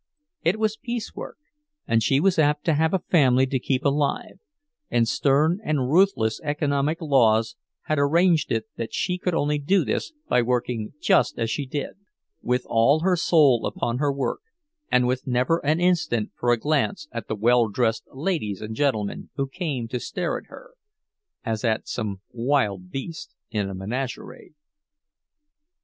It was piecework, and she was apt to have a family to keep alive; and stern and ruthless economic laws had arranged it that she could only do this by working just as she did, with all her soul upon her work, and with never an instant for a glance at the well dressed ladies and gentlemen who came to stare at her, as at some wild beast in a menagerie.